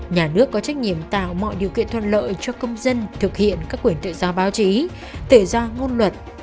nhà nước có trách nhiệm tạo mọi điều kiện thuận lợi cho công dân thực hiện các quyền tự do báo chí tự do ngôn luật